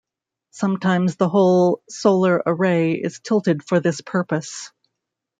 Sometimes the whole solar array is tilted for this purpose.